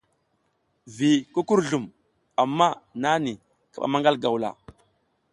Vi kukurzlum amma nani kaɓa maƞgal gawla.